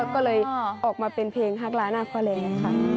ก็เลยออกมาเป็นเพลงฮักล้าหน้าพ่อแรงค่ะ